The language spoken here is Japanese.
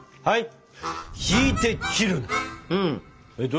はい。